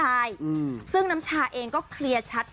เพราะว่ามีเพื่อนซีอย่างน้ำชาชีระนัทอยู่เคียงข้างเสมอค่ะ